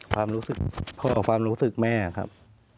ความรู้สึกพ่อความรู้สึกแม่ครับ